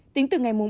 tính từ ngày ba